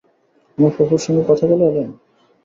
আমার ফুপুর সঙ্গে কথা বলে এলেন?